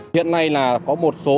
hiện nay là có một số